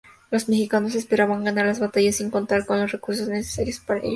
Los mexicanos esperaban ganar las batallas sin contar con los recursos necesarios para ello.